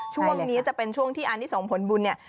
ช่วงนี้จะเป็นช่วงที่อันนี้ส่งผลบุญเนี่ย